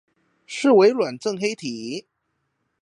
是微軟正黑體